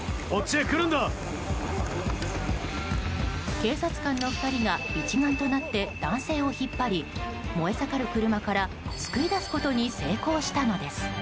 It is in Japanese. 警察官の２人が一丸となって男性を引っ張り燃え盛る車から救い出すことに成功したのです。